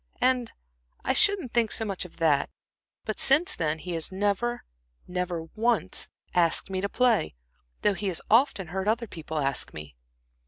And I shouldn't think so much of that; but since then he has never never once asked me to play, though he has often heard other people ask me."